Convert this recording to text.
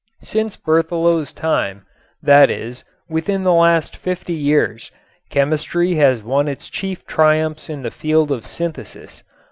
Since Berthelot's time, that is, within the last fifty years, chemistry has won its chief triumphs in the field of synthesis.